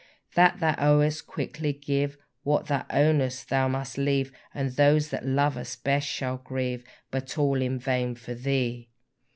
That thou owest quickly give, What thou ownest thou must leave, And those thou lovest best shall grieve, But all in vain for thee!